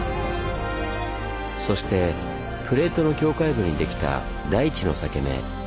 そしてプレートの境界部にできた大地の裂け目。